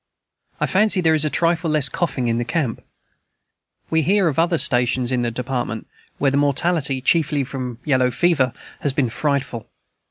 I fancy there is a trifle less coughing in the camp. We hear of other stations in the Department where the mortality, chiefly from yellow fever, has been frightful.